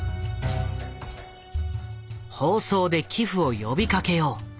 「放送で寄付を呼びかけよう」。